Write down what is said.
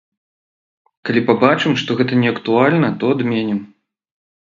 Калі пабачым, што гэта неактуальна, то адменім.